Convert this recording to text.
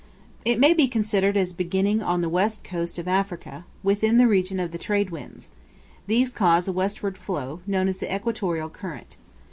It may be considered as beginning on the west coast of Africa, within the region of the trade winds. These cause a westward flow, known as the equatorial current.